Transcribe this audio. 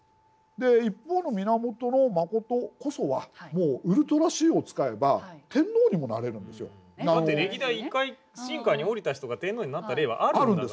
一方の源信こそはもうウルトラＣを使えばだって歴代１回臣下に降りた人が天皇になった例はあるんだから。